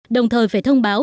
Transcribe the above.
đồng thời phải thông báo